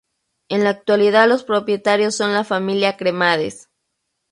En la actualidad los propietarios son la familia Cremades.